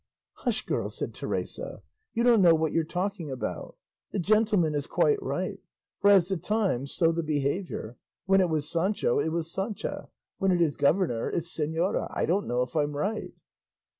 "Hush, girl," said Teresa; "you don't know what you're talking about; the gentleman is quite right, for 'as the time so the behaviour;' when it was Sancho it was 'Sancha;' when it is governor it's 'señora;' I don't know if I'm right."